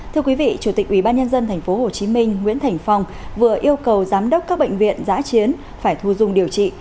thưa quý vị chủ tịch ubnd tp hcm nguyễn thành phong vừa yêu cầu giám đốc các bệnh viện giã chiến phải thu dung điều trị